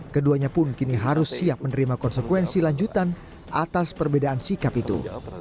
keduanya pun kini harus siap menerima konsekuensi lanjutan atas perbedaan sikap itu